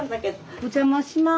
お邪魔します。